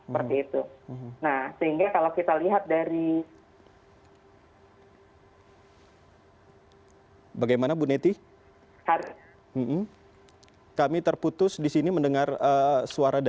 terdengar nggak mas isbal